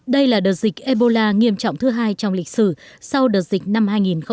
đây là đợt dịch ebola nghiêm trọng thứ hai trong lịch sử sau đợt dịch năm hai nghìn một mươi bốn hai nghìn một mươi sáu